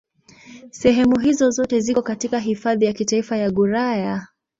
Sehemu hizo zote ziko katika Hifadhi ya Kitaifa ya Gouraya.